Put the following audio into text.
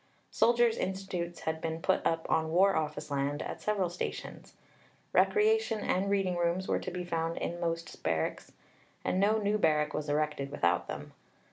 Soldiers' Institutes had been put up on War Office land at several stations. Recreation and reading rooms were to be found in most barracks, and no new barrack was erected without them.